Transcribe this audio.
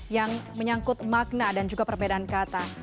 yang menyangkut makna dan juga perbedaan kata